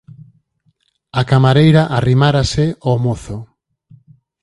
A camareira arrimárase ao mozo.